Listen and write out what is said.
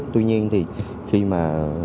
tuy nhiên thì khi mà